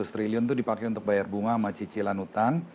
lima ratus triliun itu dipakai untuk bayar bunga sama cicilan utang